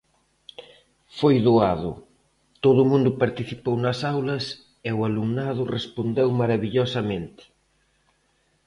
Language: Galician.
Foi doado, todo o mundo participou nas aulas e o alumnado respondeu marabillosamente.